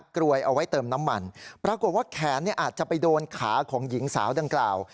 กรวยเอาไว้เติมน้ำมันปรากฏว่าแขนอาจจะไปโดนขาของหญิงสาวดังกล่าว